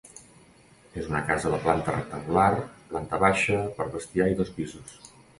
És una casa de planta rectangular, planta baixa pel bestiar i dos pisos.